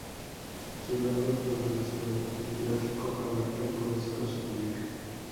Su rango cronoestratigráfico abarca el Jurásico superior.